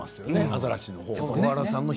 アザラシのほうも。